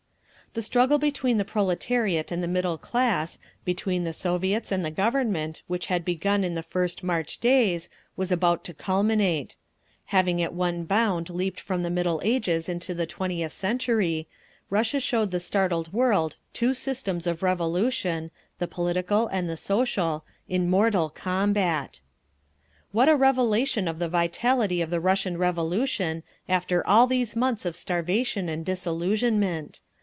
The struggle between the proletariat and the middle class, between the Soviets and the Government, which had begun in the first March days, was about to culminate. Having at one bound leaped from the Middle Ages into the twentieth century, Russia showed the startled world two systems of Revolution—the political and the social—in mortal combat. What a revelation of the vitality of the Russian Revolution, after all these months of starvation and disillusionment!